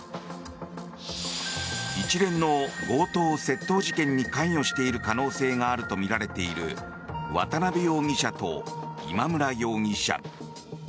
一連の強盗・窃盗事件に関与している可能性があるとみられている渡邉容疑者と今村容疑者。